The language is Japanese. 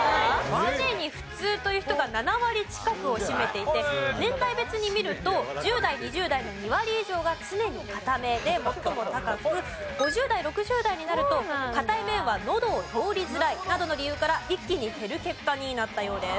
常に普通という人が７割近くを占めていて年代別に見ると１０代・２０代の２割以上が常に硬めで最も高く５０代６０代になると硬い麺はのどを通りづらいなどの理由から一気に減る結果になったようです。